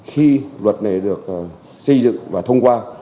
khi luật này được xây dựng và thông qua